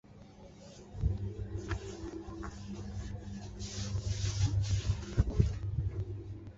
后担任重庆军统局情报处副处长兼中共科科长。